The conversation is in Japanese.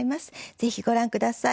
ぜひご覧下さい。